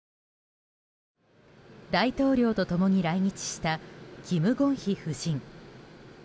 大統領と共に来日したキム・ゴンヒ夫人。